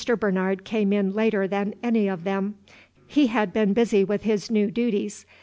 Bernard came in later than any of them; he had been busy with his new duties.